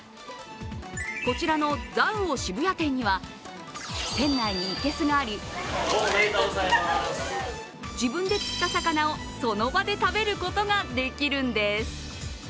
こちらの、ざうお渋谷店には店内に生けすがあり自分で釣った魚をその場で食べることができるんです。